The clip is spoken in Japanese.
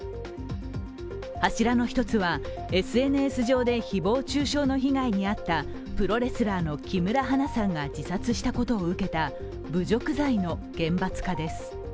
柱の１つは、ＳＮＳ上で誹謗中傷の被害に遭ったプロレスラーの木村花さんが自殺したことを受けた侮辱罪の厳罰化です。